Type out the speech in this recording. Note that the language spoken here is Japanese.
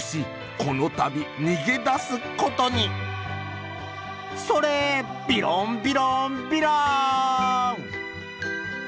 このたびにげだすことにそれービロンビロンビローン」。